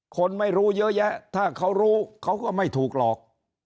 คนไม่รู้เยอะแยะถ้าเขารู้เขาก็ไม่ถูกหลอก